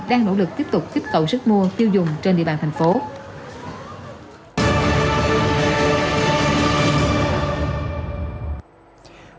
đang nỗ lực tiếp tục kích cầu sức mua tiêu dùng trên địa bàn tp hcm